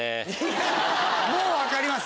もう分かります？